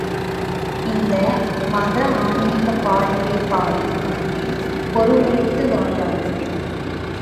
இந்து மத ஆன்மீகப் பாடல்களைப் பாடிக் காட்டி, பொருளுரைத்து மகிழ்வார்கள்.